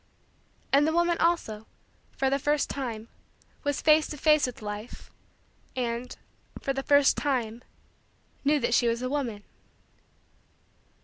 And the woman also, for the first time, was face to face with Life and, for the first time, knew that she was a woman.